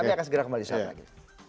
kami akan segera kembali soal ini